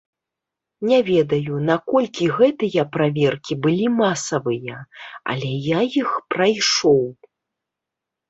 Не ведаю, наколькі гэтыя праверкі былі масавыя, але я іх прайшоў.